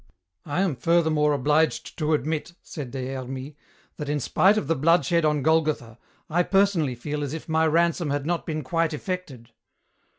"I am furthermore obliged to admit," said Des Hermies, "that in spite of the blood shed on Golgotha, I personally feel as if my ransom had not been quite effected."